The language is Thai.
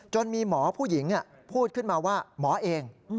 มีหมอผู้หญิงพูดขึ้นมาว่าหมอเอง